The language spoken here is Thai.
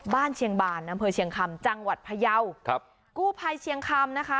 เชียงบานอำเภอเชียงคำจังหวัดพยาวครับกู้ภัยเชียงคำนะคะ